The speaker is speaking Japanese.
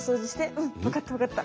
「うん分かった分かった」。